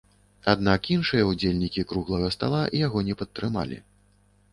Аднак іншыя ўдзельнікі круглага стала яго не падтрымалі.